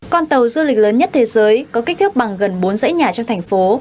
con tàu du lịch lớn nhất thế giới có kích thước bằng gần bốn dãy nhà trong thành phố